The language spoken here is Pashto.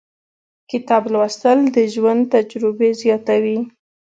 • کتاب لوستل، د ژوند تجربې زیاتوي.